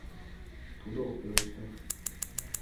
Тудо ок пелеште.